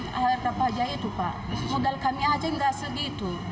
harga pajak itu pak modal kami aja nggak segitu